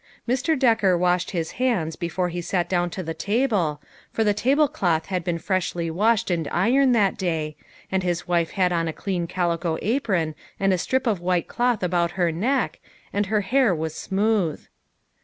Mr. Decker washed his hands before he sat down to the table, for the tablecloth had been freshly washed and ironed that day, and his wife had on a clean calico apron and a strip of white cloth about her neck, and her hair was smooth.